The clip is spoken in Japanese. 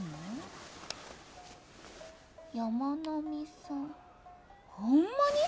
山南さんほんまに！？